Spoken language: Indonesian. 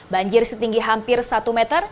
banjir setinggi hampir satu meter